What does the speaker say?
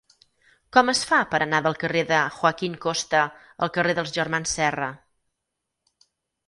Com es fa per anar del carrer de Joaquín Costa al carrer dels Germans Serra?